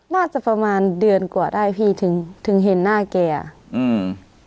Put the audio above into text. น่าจะประมาณเดือนกว่าได้พี่ถึงถึงเห็นหน้าแกอืม